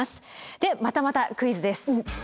でまたまたクイズです。